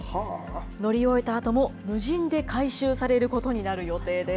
乗り終えたあとも無人で回収されることになる予定です。